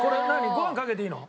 ご飯にかけていいの？